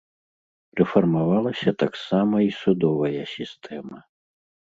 Рэфармавалася таксама і судовая сістэма.